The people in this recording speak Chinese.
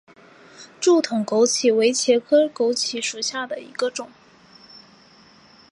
柱筒枸杞为茄科枸杞属下的一个种。